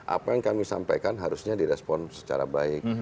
apa yang kami sampaikan harusnya di respon secara berat